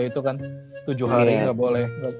itu kan tujuh hari nggak boleh